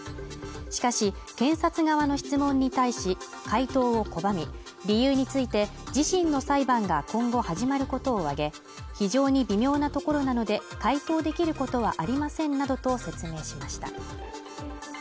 しかし検察側の質問に対し回答を拒み理由について自身の裁判が今後始まることを挙げ非常に微妙なところなので回答できることはありませんなどと説明しました